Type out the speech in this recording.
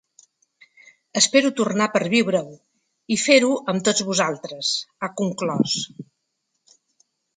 Espero tornar per viure ho i fer-ho amb tots vosaltres, ha conclòs.